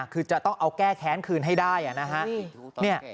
คือจะต้องเอาแก้แค้นคืนให้ได้นะฮะ